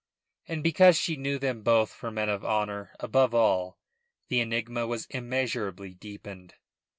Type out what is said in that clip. And because she knew them both for men of honour above all, the enigma was immeasurably deepened.